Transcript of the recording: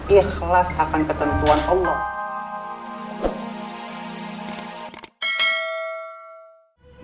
ikhlas akan ketentuan allah